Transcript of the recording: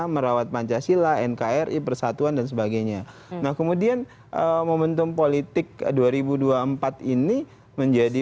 merawat pancasila nkri persatuan dan sebagainya nah kemudian momentum politik dua ribu dua puluh empat ini menjadi